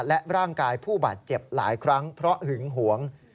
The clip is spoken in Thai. และร่างกายผู้บาดเจ็บหลายครั้งเพราะหึงหวง